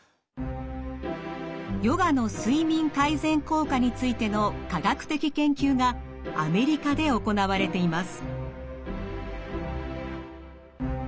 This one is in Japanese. ヨガの睡眠改善効果についての科学的研究がアメリカで行われています。